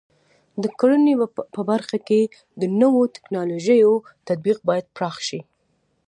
د کرنې په برخه کې د نوو ټکنالوژیو تطبیق باید پراخ شي.